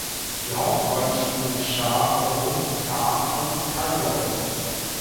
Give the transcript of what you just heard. Die Hauptrollen spielen Shah Rukh Khan und Kajol.